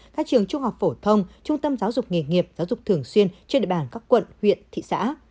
các trường trung học phổ thông trung tâm giáo dục nghề nghiệp giáo dục thường xuyên trên địa bàn các quận huyện thị xã